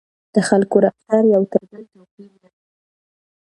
د خلکو رفتار یو تر بل توپیر لري.